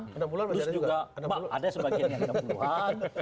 kemudian juga ada sebagian yang enam puluh an